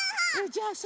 じゃあさ